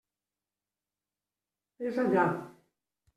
És allà.